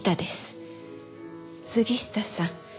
杉下さん